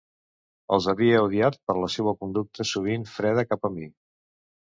Els havia odiat per la seua conducta sovint freda cap a mi.